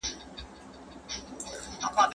بهرنۍ مداخله په کورنیو چارو کي ستونزې پیدا کوي.